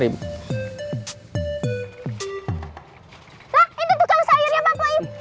itu tukang sayurnya pak